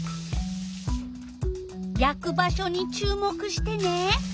やく場所に注目してね！